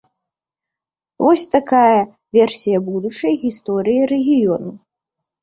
Вось такая версія будучай гісторыі рэгіёну.